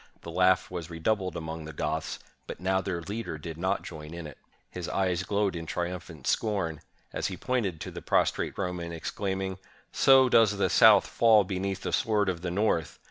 The laugh was redoubled among the Goths ; but now their leader did not join in it. His eyes glowed in triumphant scorn, as he pointed to the prostrate Roman, exclaiming, "So does the South fall beneath the sword of the North!